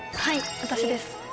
はい私です。